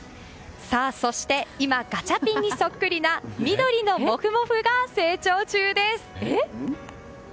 さあ、そして今、ガチャピンにそっくりな緑のモフモフが成長中です。